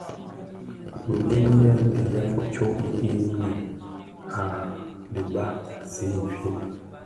Ndiñiyèn diiyèn tsög yiñim a dhiba zi infin.